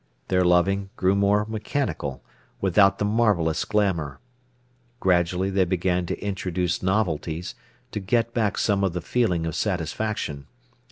Their loving grew more mechanical, without the marvellous glamour. Gradually they began to introduce novelties, to get back some of the feeling of satisfaction.